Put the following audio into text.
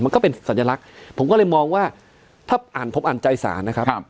ก็เป็นสัญลักษณ์ผมก็เลยมองว่าถ้าอ่านผมอ่านใจสารนะครับ